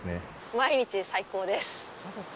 毎日最高です。